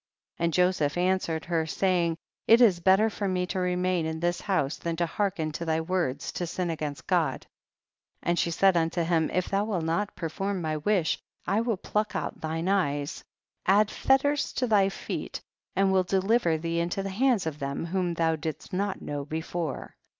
78. And Joseph answered her, saying, it is better for me to remain in this house than to hearken to thy words, to sin against God ; and she said unto him, if thou wilt not per form my wish, I will pluck out thine eyes, add fetters to thy feet, and will deliver thee into the hands of them whom thou didst not know before.